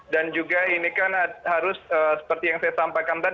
dan juga ini kan harus seperti yang saya sampaikan